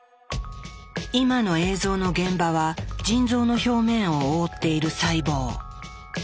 今の映像の現場は腎臓の表面を覆っている細胞。